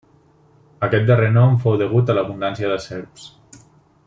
Aquest darrer nom fou degut a l'abundància de serps.